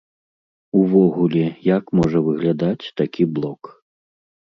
Увогуле, як можа выглядаць такі блок?